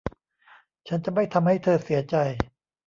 ฉันจะไม่ทำให้เธอเสียใจ